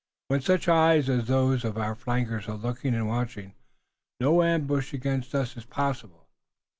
"When such eyes as those of our flankers are looking and watching, no ambush against us is possible.